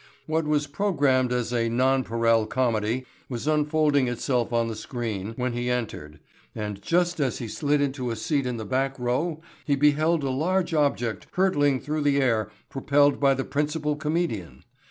What was programmed as a Nonpareil Comedy was unfolding itself on the screen when he entered and just as he slid into a seat in the back row he beheld a large object hurtling through the air propelled by the principal comedian.